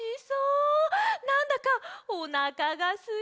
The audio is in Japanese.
なんだかおなかがすいてきちゃった。